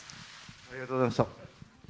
ありがとうございます。